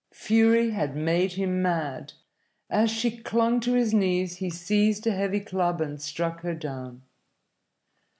Fury had made him mad. As she clung to his knees, he seized a heavy club and struck her down.